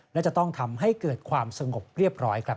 และจะต้องทำให้เกิดความสงบเรียบร้อยครับ